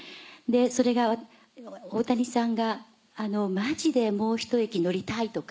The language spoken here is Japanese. それが大谷さんが「マジでもう１駅乗りたい」とか。